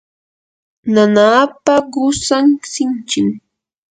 nanaapa qusan sinchim.